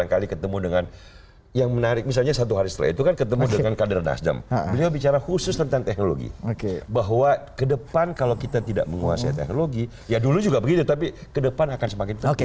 kedepan kalau kita tidak menguasai teknologi ya dulu juga begitu tapi kedepan akan semakin